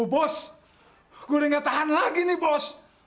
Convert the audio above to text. aduh bos gua udah nggak tahan lagi nih bos